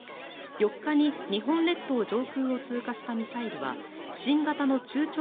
４日に日本列島上空を通過したミサイルは新型の中長